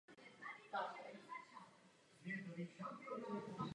Na druhé straně však musíme také uspět v mezinárodní konkurenci.